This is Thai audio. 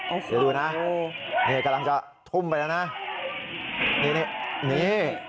โอ้โฮดูนะนี่กำลังจะทุ่มไปแล้วนะนี่นี่นี่